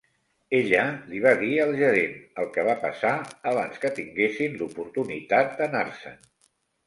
Ella li va dir al gerent el que va passar abans que tinguessin l'oportunitat d'anar-se'n.